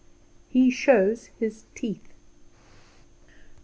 He Shows His Teeth.